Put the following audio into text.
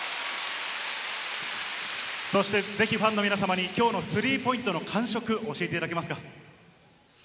そして、ぜひファンの皆さまにきょうのスリーポイントの感触、教えていただけますか。